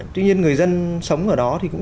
tuy nhiên người dân sống ở đó thì cũng